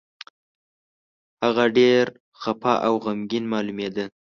هغه ډېر خپه او غمګين مالومېده.